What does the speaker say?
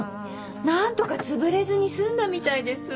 何とかつぶれずに済んだみたいです！